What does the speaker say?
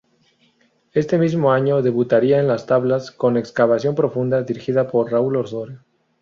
Este mismo año debutaría en las tablas con "Excavación profunda", dirigida por Raúl Osorio.